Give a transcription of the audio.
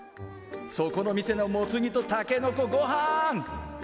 そこの店のモツ煮とたけのこごはん！